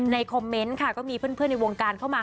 คอมเมนต์ค่ะก็มีเพื่อนในวงการเข้ามา